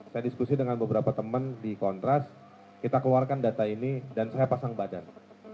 saya diskusi dengan beberapa teman di kontras kita keluarkan data ini dan saya pasang badan